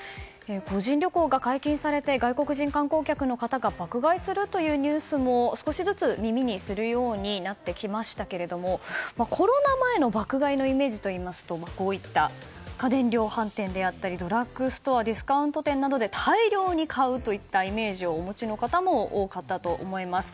個人旅行が解禁されて外国人観光客の方が爆買いするというニュースも少しずつ耳にするようになりましたけどコロナ前の爆買いのイメージといいますとこういった家電量販店であったりドラッグストアディスカウント店で大量に買うといったイメージをお持ちの方も多かったと思います。